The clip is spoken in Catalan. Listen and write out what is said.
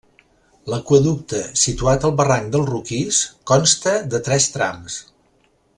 L'aqüeducte, situat al barranc del Roquís, consta de tres trams.